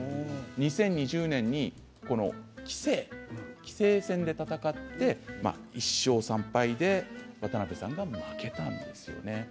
２０２０年に棋聖戦というタイトルで戦って１勝３敗で渡辺さんが負けたんですよね。